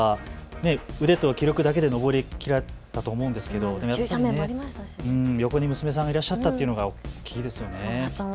腕と気力だけで登りきれたと思うんですけど横に娘さんがいらっしゃったというのが大きいですよね。